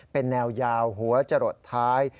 เป็นแนวยาวหัวจะหลดท้าย